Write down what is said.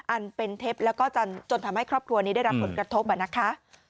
อันเป็นเท็จแล้วก็จนทำให้ครอบครัวนี้ได้รับผลกระทบนะคะ